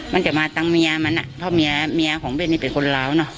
มันจะมาตังค์เมียมันอ่ะเพราะเมียเมียของเบ้นนี่เป็นคนร้าวเนอะ